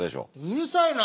うるさいな。